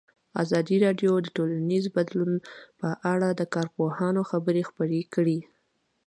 ازادي راډیو د ټولنیز بدلون په اړه د کارپوهانو خبرې خپرې کړي.